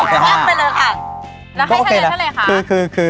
แล้วให้ขนาดเท่าไรครับ